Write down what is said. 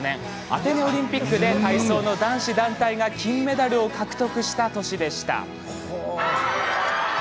アテネオリンピックで体操の男子団体が金メダルを獲得した年でした。